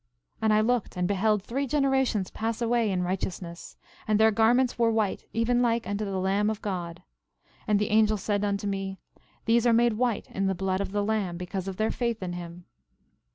And I looked, and beheld three generations pass away in righteousness; and their garments were white even like unto the Lamb of God. And the angel said unto me: These are made white in the blood of the Lamb, because of their faith in him.